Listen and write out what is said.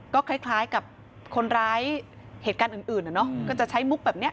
ก็คล้ายกับคนร้ายเหตุการณ์อื่นก็จะใช้มุกแบบนี้